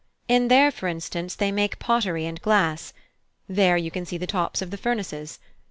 In there, for instance, they make pottery and glass, there, you can see the tops of the furnaces.